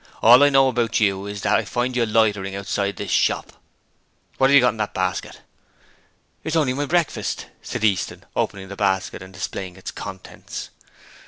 All I know about you is that I find you loitering outside this shop. What have you got in that basket?' 'Only my breakfast,' Easton said, opening the basket and displaying its contents.